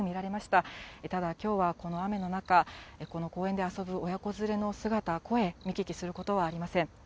ただ、きょうはこの雨の中、この公園で遊ぶ親子連れの姿、声、見聞きすることはありません。